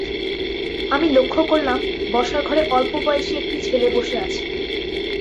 আমি লক্ষ করলাম, বসার ঘরে অল্প-বয়েসি একটি ছেলে বসে আছে।